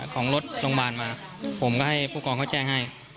ของรถโรงพยาบาลมาผมก็ให้ผู้กองเขาแจ้งให้